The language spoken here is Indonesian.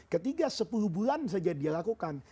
ketiga sepuluh bulan saja dia lakukan